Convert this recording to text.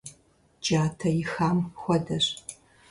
Джатэ ихам хуэдэщ.